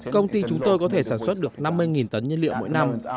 công ty chúng tôi có thể sản xuất được năm mươi tấn nhiên liệu mỗi năm